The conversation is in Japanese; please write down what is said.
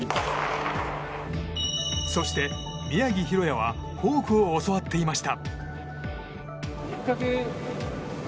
そして、宮城大弥はフォークを教わっていました。